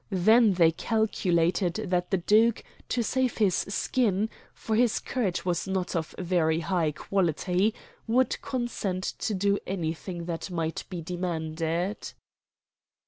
Then they calculated that the duke, to save his skin for his courage was not of very high quality would consent to do anything that might be demanded.